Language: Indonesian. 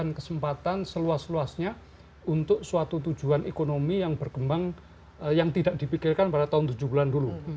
ini semakin disel esas uasnya untuk suatu tujuan ekonomi yang berkembang yang tidak dipikirkan pada tahun tujuh bulan dulu